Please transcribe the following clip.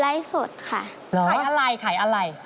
ไล่สดค่ะขายอะไร